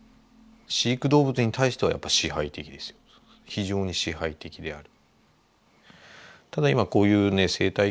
非常に支配的である。